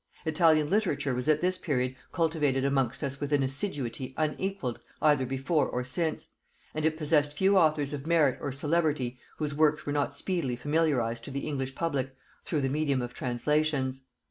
Italian literature was at this period cultivated amongst us with an assiduity unequalled either before or since, and it possessed few authors of merit or celebrity whose works were not speedily familiarized to the English public through the medium of translations.